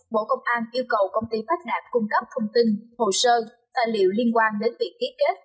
bộ công an yêu cầu công ty phát đạt cung cấp thông tin hồ sơ tài liệu liên quan đến việc ký kết